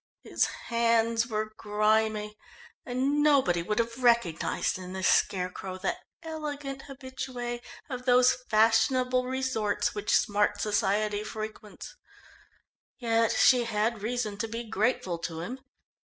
His hands were grimy and nobody would have recognised in this scarecrow the elegant habitué of those fashionable resorts which smart society frequents. Yet she had reason to be grateful to him.